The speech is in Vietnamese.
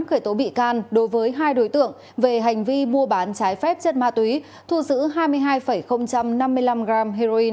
khởi tố bị can đối với hai đối tượng về hành vi mua bán trái phép chất ma túy thu giữ hai mươi hai năm mươi năm g heroin